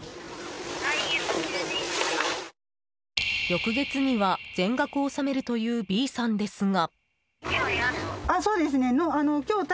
翌月には全額を納めるというＢさんですが。